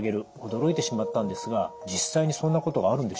驚いてしまったんですが実際にそんなことがあるんでしょうか？